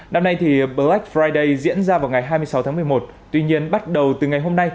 năm nay thì black friday diễn ra vào ngày hai mươi sáu tháng một mươi một tuy nhiên bắt đầu từ ngày hôm nay